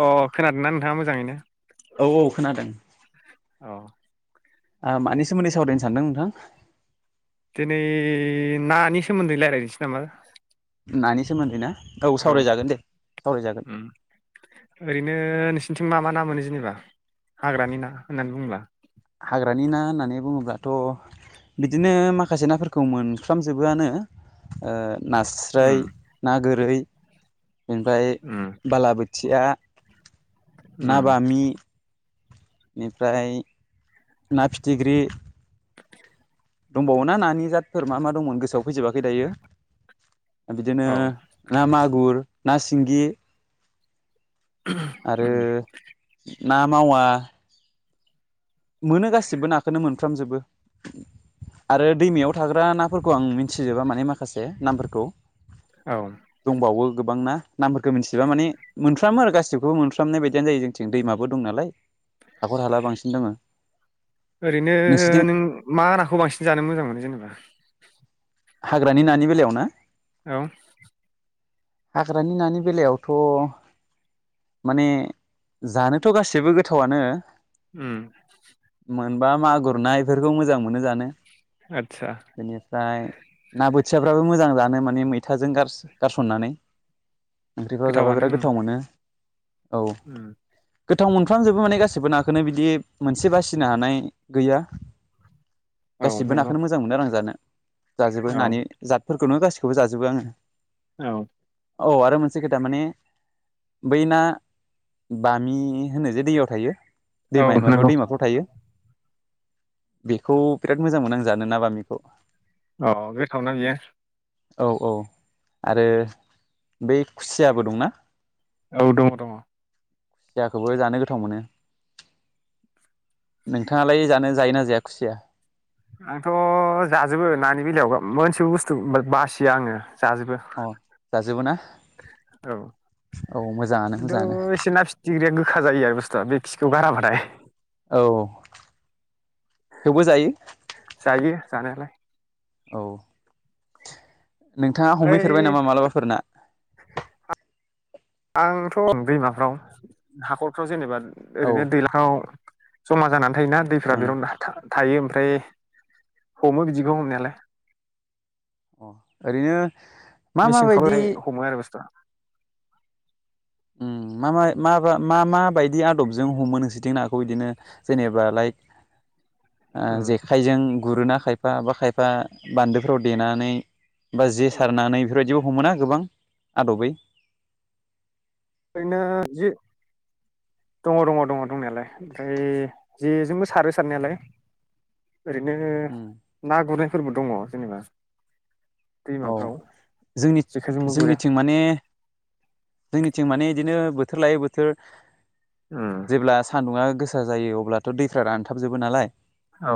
अ खोनादोंना नोंथाङा मोजाङैनो? औ औ खोनादों। औ ओ मानि सोमोन्दै सावरायनो सानदों नोंथां? नै नानि सोमोन्दै रायज्लायनोसै नामा? नानि सोमोन्दै ना? औ सावरायजागोन दे सावरायजागोन। थिं मा मा ना मोनो जेनेबा हाग्रानि ना होननानै बुंब्ला हाग्रानि ना होननानै बुङोब्लाथ बिदिनो माखासे नाफोरखौ मोनफ्रामजोबोआनो ओ नास्राय उम ना गोरै इनिफ्राय उम बालाबो थिया ना उम बामि इनिफ्राय ना फिथिग्रि दंबावो ना नानि जादफोर मा मा दंमोन गोसोआव फैजोबाखै दायो। बिदिनो औ ना मागुर ना सिंगि आरो उम ना मावा मोनो गासिबो नाखोनो मोनो फ्रामजोबो आरो दैमायाव थाग्रा नाफोरखौ आं मिनथिजोबा माने माखासे नामफोरखौ। औ दंबावो गोबां ना नामफोरखौ मिथिजोबा माने मोनफ्रामो आरो गासिखौबो मोनफ्रामनाय बायदियानो जायो जोंथिं दैमाबो दं नालाय हाखर हाला बांसिन दङ। ओरैनो नोंसोरथिं नों मा नाखौ बांसिन जानो मोजां मोनो जेनेबा? हाग्रानि नानि बेलायाव ना? औ हाग्रानि नानि बेलायावथ' माने जानोथ' गासिबो गोथावानो उम मोनबा मागुर ना इफोरखौ मोजां मोनो जानो। आदसा बेनिफ्राय ना बोथियाफ्राबो मोजां जानो माने मैथाजों गारसो गारसननानै। ओंख्रिफोराव जाबा गोथावानो बिराद उम गोथाव मोनो। औ उम गोथाव मोनफ्रामजोबो माने गासिबो नाखोनो बिदि मोनसे बासिनो हानाय गैया। औ गासिबो नंगौ नाखोनो मोजां मोनो आरो आं जानो। जाजोबो औ नानि जादफोर खौनो गासिखोबो जाजोबो आङो। औ औ आरो मोनसे खोथा माने बै ना बामि होनो जे दैयाव थायो औ दैमा माबायाव नंगौ दैमाफ्राव थायो। बेखौ बिराद मोजांमोन आं जानो ना बामिखौ। अ गोथावना बियो? औ औ आरो बै खुसियाबो दंना। औ दं दङ। खुसियाखौबो जानो गोथाव मोनो नोंथाङालाय जानो जायोना जाया खुसिया? आंथ जाजोबो नानि बेलायावबा मोनसेबो बुस्थु बा- बासिया आङो जाजोबो अ जाजोबोना? औ खिन्थु एसे ना फिथिख्रिया गोखा जायो आरो बुस्थुआ बे खिखौ गाराबाथाय औ थेवबो जायो जायो जानायालाय औ नोंथाङा हमहैफेरबाय ओमफ्राय नामा मालाबाफोर ना? आंथ दैमाफ्राव हाखरफ्राव जेनेबा औ ओं ओरैनो दैलाङाव जमा जानानै अ थायोना [unintelligible] थायो ओमफ्राय हमो बिदिखौ हमनायालाय। अ ओरैनो मा माबायदि मेसेंफ्रावाय हमो आरो बुस्थुआ उम मा मा मा बा मा बायदि आदबजों हमो नोंसोरथिं नाखौ बिदिनो जेनेबा लाइक ओ जेखायजों गुरोनाखाय फा बा खायफा बान्दोफ्राव देनानै बा जे सारनानै बेफोरबायदि हमोना गोबां आदबै ओरैनो जे दङ दङ दङ दंनायालाय ओमफ्राय जेजोंबो सारो सारनायालाय ओरैनो उम ना गुरो फोरबो दङ जेनेबा औ दैमाफ्राव जोंनि जेखायजोंबो गुरो जोंनिथिं माने जोंनि थिं माने बिदिनो बोथोर लायै बोथोर औ जेब्ला सान्दुङा गोसा जायो अब्लाथ दैफ्रा रानथाबजोबो नालाय औ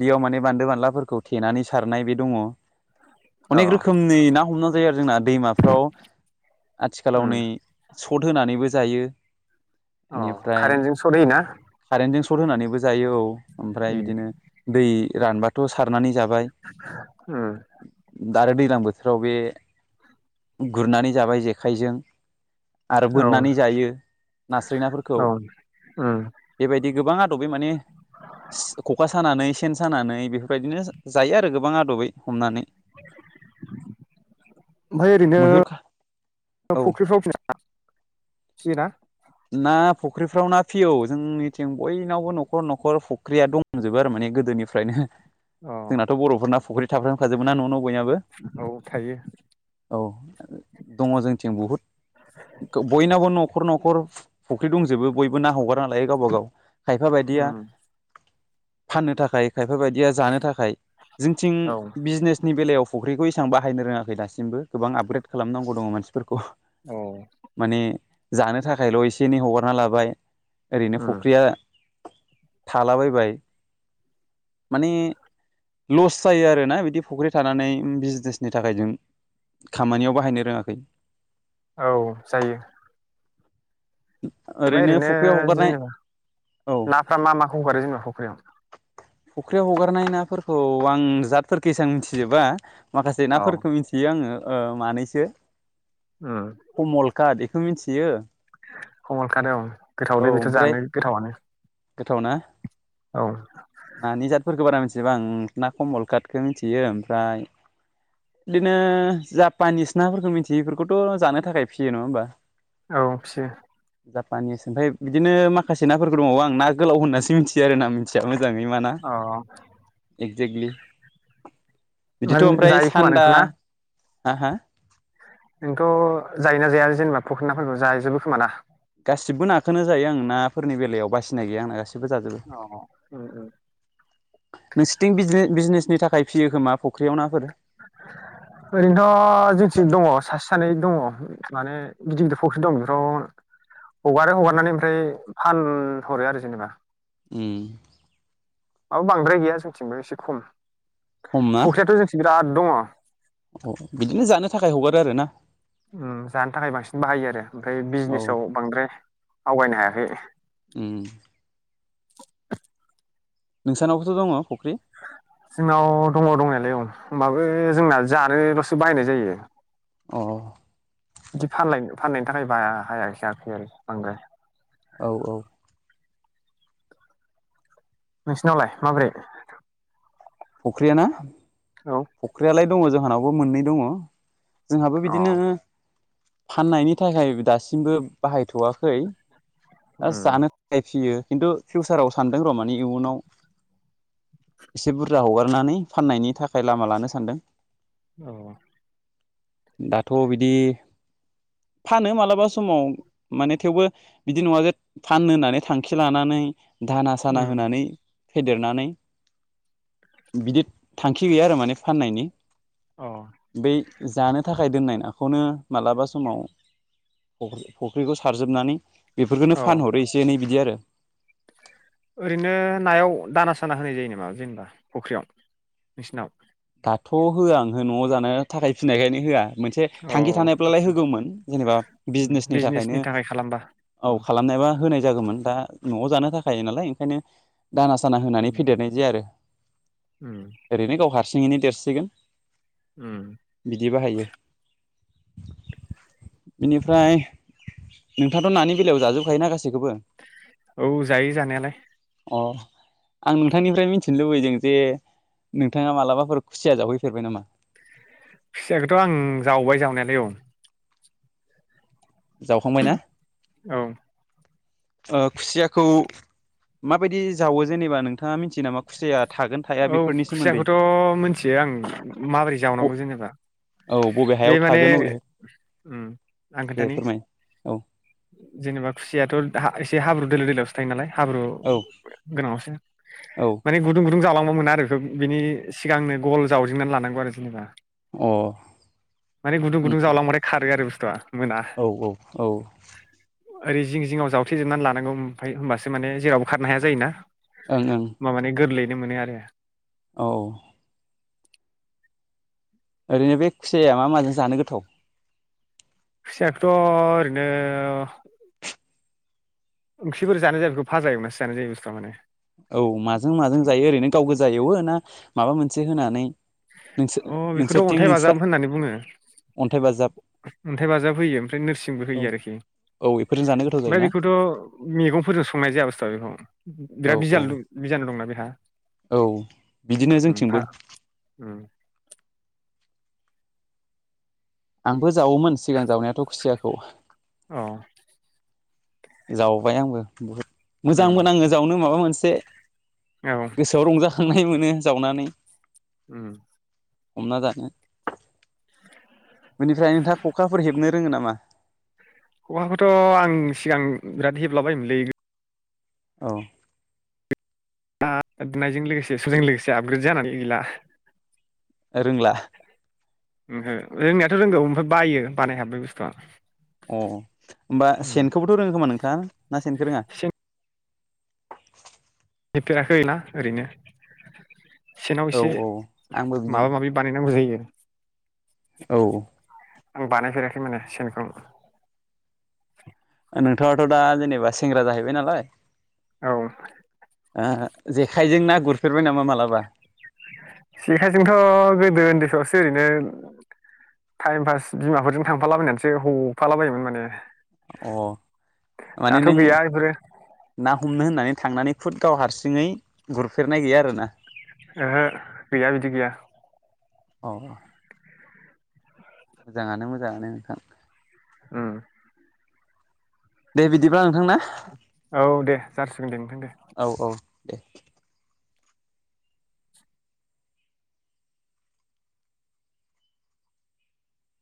बेयाव माने बान्दो बानलाफोरखौ थेनानै सारनाय बे दङ अनेक औ रोखोमनि ना हमनो जायो आरो जोंना दैमाफ्राव आथिखालाव नै सट होनानैबो जायो अ बेनिफ्राय कारेन्टजों सट होयोना? कारेन्टजों सट होनानैबो जायो औ ओमफ्राय उम बिदिनो दै रानबाथ सारनानै जाब ओ दा आरो दैज्लां बोथोराव बे गुरनानै जाबाय जेखाइजों आरो औ बोननानै जायो नास्राय नाफोरखौ औ उम बेबायदि गोबां आदबै माने स खखा सानानै सेन सानानै बेफोरबायदिनो जायो आरो गोबां आदबै हमनानै। ओमफ्राय ओरैनो मैहुर औ फुख्रिफ्राव [inaudible] सियोना ना फुख्रिफ्राव ना फियो औ जोंनिथिं बयनावबो न'खर न'खर फुख्रिया दंजोबो आरो माने गोदोनिफ्रायनो। अ जोंनाथ बर'फोरना फुख्रि थाबफ्राम खाजोबोना न' न' बयनाबो औ थायो। औ दङ जोंथि बुहुद बनावबो न' खर न'खर फुख्रि दंजोबो बयबो ना हगारना लायो गावबा गाव। खायफा बायदिया उम फाननो थाखाय खायफा बायदिया जानो थाखाय जोंनिथिं औ बिजनेसनि बेलायाव फख्रिखौ एसां बाहायनो रोङाखै दासिमबो गोबां आपग्रेड खालामनांगौ दं मानसि फोरखौ औ माने जानोे थाखा खायल एसे एनै हगारना लाबाय। ओरैनो उम फुख्रिया थालाबायबाय माने लस जायो आरोना बिदि फुख्रि थानानै बिजनेसनि थाखाय जों खामानियाव बाहायनो रोङाखै। औ जायो। ओमफ्राय ओरैनो फुख्रियाव हगारनाय जेनेबा औ नाफ्रा मा माखौ हगारो जेनेबा फ [unintelligible] फुख्रियाव हगारनाय नाफोरखौ आं जादफोरखौ एसां मिथिजोबा। माखासे औ नाफोरखौ मिन्थियो आंङो। ओ मानैसो उम कमल काद। खो मिथियो। कमल खाद औ औ गोथावलै बेथ' ओमफ्राय जानो, गोथावानो। गोथाव ना? औ नानि जादफोरखौ बारा मि एसेबां ना कमल काटखौ मिथियो, ओमफ्राय बिदिनो जापानिस नाफोरखौ मिथियो, बेफोरखौथ' जानो थाखाय फिसियो नङा होमबा? औ फियो। जापानि सिनथाय बिदिनो माखासे नाफोरफोरबो दंबावो आं ना गोलाव होन्नासो मिनथियो आर ना। [unintelligible] जांङै मा ना? अ जेग्लि बिदिथ' ओमफ्राय जायो खोमा सान्दा नोंथ' ना हा-हा? नोंथ' जायोना जाया जोंना फुख्रिनि नाफोरखौ जाजोबो खोमा ना? सिबो नाखौनो जायो आं नाफोरनि बेलायाव बासिनाय गैया आंना गासि खोबो जाजोबो अ उम उम नोंसिथिं बिजिने-बिजिनेस नि थाखाय फियो खोमा फ'ख्रियाव नाफोर? ओरैनोथ' जोंथि दंङ सासे सानै दंङ माने गिदिर गिदिर फुख्रि दं बेफोराव हगारो हगारनानै ओमफ्राय फान हरो आरो जेनेबा। उम औ बांद्राय गैया जोंथिंबो एसे खम। खम ना फख्रिथ' जोंसिं बिराद दंङ। अ बिदिनो जानो थाखाय हगारो आरोना? उम जानो थाखाय बांसिन बाहायो आरो। ओमफ्राय औ बिजनेसाव बांद्राय आवगायनो हायाखै। उम नोंसनावबोथ' दंङ फुख्रि? जोंनाव दंङ' दंनायालाय औ होमबाबो जोंना जानोल'सो बाहायनाय जायो। अह बिदि फाननाय फाननायनि थाखाय बाहायासै आफोर बांद्राय। औ औ नोंसिनावलाय माबोरै? फख्रि या ना? औ फख्रिलाय दंङ जाहानावबो मोननै दंङ। जोंहाबो अ बिदिनो फाननायनि थाखाय दासिमबो बाहायथवाखै। ओ उम जानो थाखाय फियो। खिन्थु फिउसाराव सानदों र' मानि इयुनाव एसे बुर जा हगारनानै फाननायनि थाखाय लामा लानो सानदों। औ दाथ' बिदि फानो मालाबा समाव माने थेवबो बिदि नंङा जे फाननो होननानै थांखि लानानै धाना साना उम होनानै फेदेरनानै बिदि थांखि गैया आरो माने फाननायनि अह बै जानो थाखाय दोननाय नाखौनो मालाबा समाव फुख्रिखौ सारजोबनानै बेफोरखोननो फानहरो एसे एनै बिदि आरो। [inaudible] ओरैनो नायाव दाना साना होनाय जायो नामा जेनेबा फख्रियाव नोंसिनाव? दाथ' होआ ओंहो न'आव जानो थाखाय फिनायखायनो होआ मोनसे अ थांखि थानायब्लालाय आदसा होगौमोन जेनेबा बिजनेसनि थाखायनो थाखाय खालामबा औ खालामनायबा होनाय होगोमोन दा न'आव जानो थाखाय नालाय ओंखायनो दाना साना होनानै उम फेदेरनाय जाया आरो ओरैनो गाव हारसिं हारसिङैनो देरसिगोन उम बिदि बाहायो बेनिफ्राय नोंथाङाथ' नानि बेलायाव जाजोबखायोना गासि औ जायो जानायालाय। अ आं नोंथांनिफ्राय मिथिनो लुबैदों जे नोंथाङा मालाबा फोर खुसिया जावहैफेरबाय नामा? खुसियखौथ' आं जावबाय जावनायालाय औ जावखांबाय ना? औ ओ खुसियाखौ माबायदि जावो जेनेबा नोंथाङा मिथियो नामा खुसिया थागोन थाया औ बेफोरनि सोमोन्दै खुसियाखौथ' मोनथियो आं माबोरै औ जावनांगौ जेनेबा बबे बे हायाव माने थागोन बबे आं दे खोन्थानि फोरमाय औ जेनेबा खुसियाथ' एसे हाब्रु दोलो दोलाआवसो थायो नालाय हाब्रु औ गोनाङावसो औ माने गुदुं गुदुं जावलां मोना आरो बिनि सिगांनो गल जावजननानै लानांगौ आरो जेनेबा अ औ माने गुदुं गुदुं जावलांबथाय खारो आरो बुस्थु थ्रा औ औ औ ओरै जिं जिंङाव जावथेेजोबनानै लानांगौ ओमफ्राय होमबासो माने जेरावबो खारनो हाया जायोना ओं बा माने गोरलै मोनो आरो [inaudible] औ ओरैनो बे खुसिाया मा माजों जानो गोथाव? खुसियाखौथ' ओरैनो ओंख्रिफोर जानाय जाय बेखौ फाजा एवनासो जानाय जायो बस्थुआ माने औ माजों माजों जायो ओरैनो गाव गो जा एवो ना माबा मोनसे होनानै नोंस अ बेखौथ' नोंसोरथिं अन्थाइ नोंस्रा बाजाब होननानै बुङो अन्थाइ बाजाब अन्थाइ बाजाब होयो ओमफ्राय नोरसिंबो औ होयो आरोखि औ बेफोरजों जानो गोथाव ओमफ्राय जायोना बेखौथ' मैगंफोरजों संनाय जाया बुस्थुआ बेखौ, औ बिराद औ बिजालु दं बिजालु दंना बे होआ औ बिदिनो जोंथिंबो, उम आंबो जावोमोन सिगां जावनायाथ' खुसियाखौ औ जावबाय आंबो बुहुद मोजां उम मोन नाङो जावनो माबा मोनसे औ से गोसोआव रंजाखांनाय मोनो, जावनानै उम हमना जानो बेनिफ्राय नोंथाङा खखाफोर हेबनो रोङो नामा? खौखाखौथ' आं सिगां बिराद हेबलाबायोमोनलै गो औ आ [unintelligible] लोगोसे समजों लोगोसे आपग्रेड जानानै, गैला, रोंला ओम रोंनियाथ' रोंगौ ओमफ्राय बायो बानाय हाब बे बुस्थुआ अ होमबा उम सेनखौबोथ' रोङो खोमा नोंथाङ ना सेनखौ रोङा? सेन [unintelligible] नेफेराखै ना ओरैनो सेनाव औ एसे औ आंबो बिदिनो माबा माबि बानायनांगौ जायो। [inaudible] औ आं बानायफेराखै माने सेनखौ नोंथाङाथ' दा जेनेबा सेंग्रा जाहैबाय नालाय, औ ओ ओहो जेखायजों ना गुर फेरबाय नामा मालाबा? जेखायजोंथ' गोदो उन्दैफ्रावसो ओरैनो टाइम पास बिमाफोरजों थांफालाबायनानैसो हफाला बायोमोन माने, अ माने दाथ' नों गैया बेफोरो ना हमनो होननानै थांनानै खुद, गाव हारसिङै गुरफेरनाय गैया आरोना, ओहो गैया बिदि गैया, अ अ मोजाङानो मोजाङानो नोंथां, ओ दे बिदिबा नोंथां ना, औ दे जासिगोन दे नोंथां दे औ औ दे